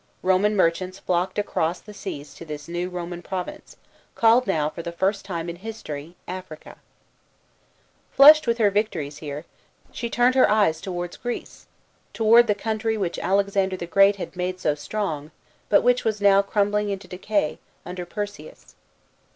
Roman merchants flocked across the seas to this new Roman province, called now for the first time in history Africa. Flushed with her victories here, she turned her eyes towards Greece toward the country, which Alexander the Great had made so strong, but 174 STORY OF PERSEUS. [B.C. 168. which was now crumbling into decay, under one Perseus.